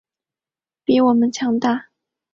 比我们强大